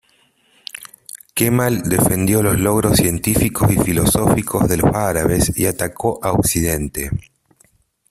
Kemal defendió los logros científicos y filosóficos de los árabes y atacó a Occidente.